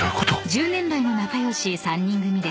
［１０年来の仲良し３人組です］